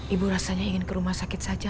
ibu rasanya ingin ke rumah sakit saja